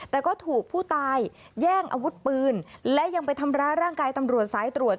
แต่ก็ถูกผู้ตายแย่งอาวุธปืนและยังไปทำร้ายร่างกายตำรวจสายตรวจ